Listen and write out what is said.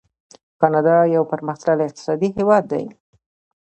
کاناډا یو پرمختللی اقتصادي هیواد دی.